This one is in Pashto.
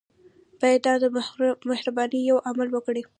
باید دا د مهربانۍ یو عمل وګڼي.